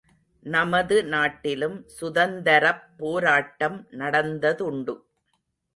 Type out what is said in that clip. நமது நாட்டிலும் சுதந்தரப் போராட்டம் நடந்ததுண்டு.